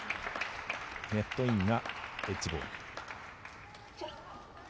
ネットインがエッジボール。